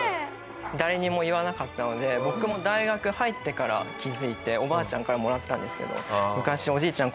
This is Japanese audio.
誰にも言わなかったので僕も大学入ってから気づいておばあちゃんからもらったんですけど昔おじいちゃん